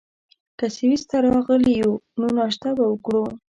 که سویس ته راغلي یو، نو ناشته به وکړو.